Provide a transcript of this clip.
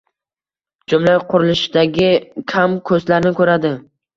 jumla qurilishidagi kam-ko‘stlarini ko‘radi.